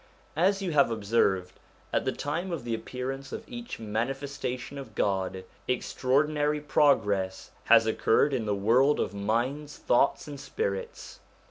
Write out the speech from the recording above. As you have observed, at the time of the appearance of each Manifestation of God, extraordinary progress has occurred in the world of minds, thoughts, and spirits.